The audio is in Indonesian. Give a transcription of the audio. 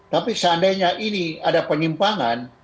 tapi seandainya ini ada penyimpangan